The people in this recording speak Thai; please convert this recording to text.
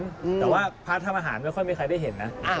แต่ว่าพระทำอาหารไม่ค่อยมีใครได้เห็นนะ